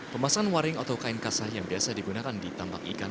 pemasan waring atau kain kasah yang biasa digunakan di tambak ikan